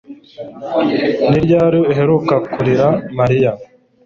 Ni ryari uheruka kurira Mariya